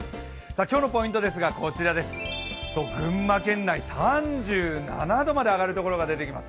今日のポイントですが群馬県内、３７度まで上がるところが出てきます。